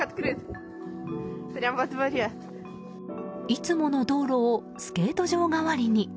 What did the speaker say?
いつもの道路をスケート場代わりに。